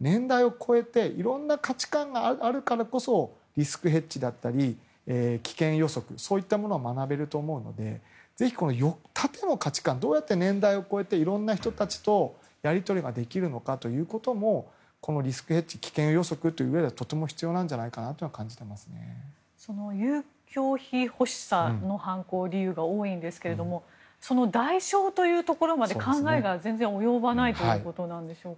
年代を超えていろんな価値観があるからこそリスクヘッジだったり危険予測、そういったものを学べると思うのでぜひ縦の価値観どうやって年代を超えていろんな人たちとやり取りできるのかというのもこのリスクヘッジ危険予測といううえでは遊興費欲しさの犯行理由が多いですが代償というところまで考えが及ばないんでしょうか。